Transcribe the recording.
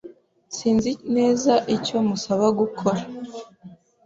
Sinzi neza icyo musaba gukora.